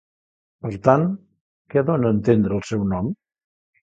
Per tant, què dona a entendre el seu nom?